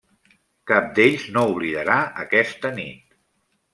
Cap d'ells no oblidarà aquesta nit.